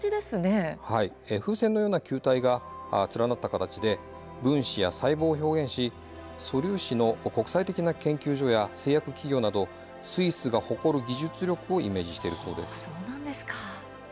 風船のような球体が連なった形で分子や細胞を表現し素粒子の国際的研究所や製薬企業などスイスが誇る技術力をイメージしています。